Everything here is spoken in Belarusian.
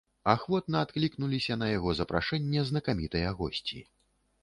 Ахвотна адклікнуліся на яго запрашэнне знакамітыя госці.